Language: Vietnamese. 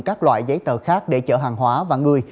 các loại giấy tờ khác để chở hàng hóa và người